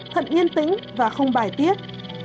thận yên tĩnh và không bài tiết